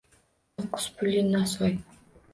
Toʻqqiz pulli nosvoy